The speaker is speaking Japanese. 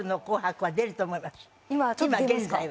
今現在は。